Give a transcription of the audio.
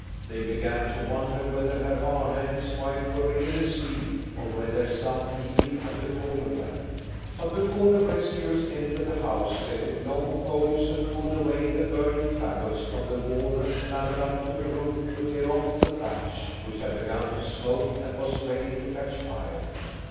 They began to wonder whether Herr Arne and his wife were really asleep, or whether some evil had befallen them. But before the rescuers entered the house they took long poles and pulled away the burning faggots from the wall and clambered up to the roof to tear off the thatch, which had begun to smoke and was ready to catch fire.